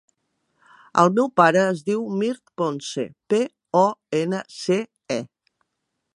El meu pare es diu Mirt Ponce: pe, o, ena, ce, e.